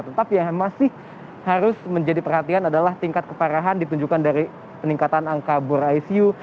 tetapi yang masih harus menjadi perhatian adalah tingkat keparahan ditunjukkan dari peningkatan angka bor icu